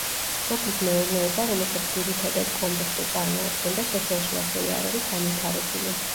სოფლის მეურნეობა, რომელსაც ძირითადად კომბოსტო წარმოადგენდა, სოფელში ასევე არ არის განვითარებული.